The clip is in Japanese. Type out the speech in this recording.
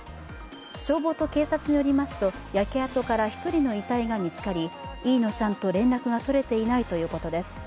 消防と警察によりますと焼け跡から１人の遺体が見つかり飯野さんと連絡が取れていないということです。